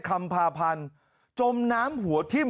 คำพาพันธ์จมน้ำหัวทิ่ม